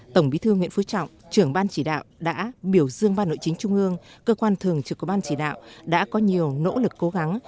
tổng bí thư nguyễn phú trọng trưởng ban chỉ đạo đã biểu dương ban nội chính trung ương cơ quan thường trực của ban chỉ đạo đã có nhiều nỗ lực cố gắng